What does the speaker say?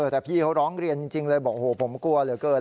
แต่พี่เขาร้องเรียนจริงเลยบอกโอ้โหผมกลัวเหลือเกิน